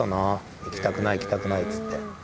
行きたくない、行きたくないって言って。